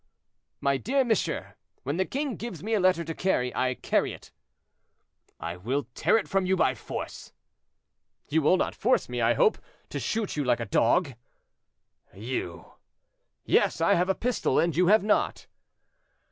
"My dear monsieur, when the king gives me a letter to carry, I carry it." "I will tear it from you by force." "You will not force me, I hope, to shoot you like a dog." "You!" "Yes; I have a pistol, and you have not."